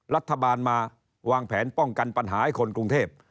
รัฐบาลมาวางแผนป้องกันปัญหาให้คนกรุงเทพ